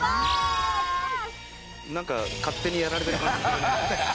なんか勝手にやられてる感じするね。